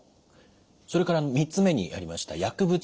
それから３つ目にありました薬物治療。